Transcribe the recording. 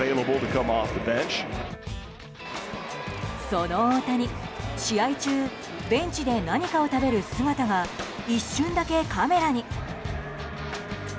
その大谷、試合中ベンチで何かを食べる姿が一瞬だけカメラに。